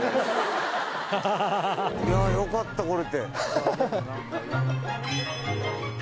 よかった。